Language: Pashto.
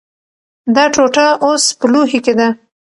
دا ټوټه اوس په لوښي کې ده.